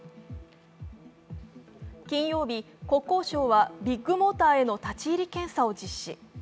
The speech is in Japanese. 金曜日、国交省はビッグモーターへの立入検査を実施。